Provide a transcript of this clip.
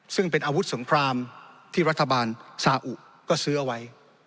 ซึ่งเป็นอาวุธสงครามที่รัฐบาลสาอุก็ซื้อเอาไว้